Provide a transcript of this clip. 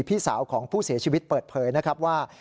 พี่สาวของผู้เสียชีวิตเปิดเผยนะครับว่า